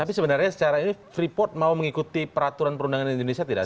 tapi sebenarnya secara ini freeport mau mengikuti peraturan perundangan di indonesia tidak